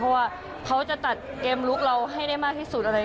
เพราะว่าเขาจะตัดเกมลุกเราให้ได้มากที่สุดอะไร